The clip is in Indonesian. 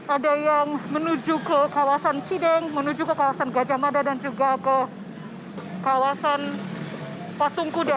ada yang menuju ke kawasan cideng menuju ke kawasan gajah mada dan juga ke kawasan patung kuda